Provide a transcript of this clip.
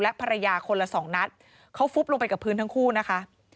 ภรรยาคนละสองนัดเขาฟุบลงไปกับพื้นทั้งคู่นะคะ